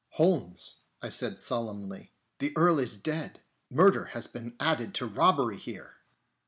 "Holmes," I said solemnly, "the Earl is dead! Murder has been added to robbery here!"